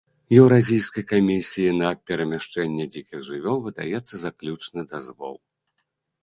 Еўразійскай камісіі на перамяшчэнне дзікіх жывёл выдаецца заключны дазвол.